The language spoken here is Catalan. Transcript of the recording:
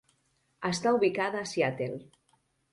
Està ubicada a Seattle.